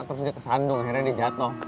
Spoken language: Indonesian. terus dia kesandung akhirnya dia jatuh